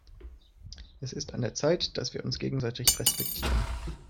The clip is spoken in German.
Es ist an der Zeit, dass wir uns gegenseitig respektieren.